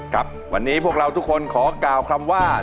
ครับวันนี้พวกเราทุกคนขอกล่าวคำว่า